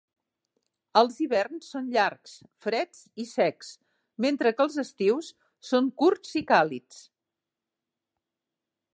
Els hiverns són llargs, freds i secs, mentre que els estius són curts i càlids.